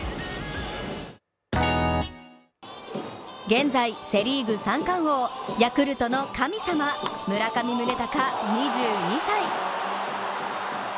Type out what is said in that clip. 現在、セ・リーグ三冠王ヤクルトの神様・村上宗隆、２２歳。